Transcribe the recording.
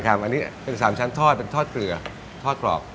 อันนี้เป็น๓ชั้นทอดเป็นทอดเกลือทอดกรอบ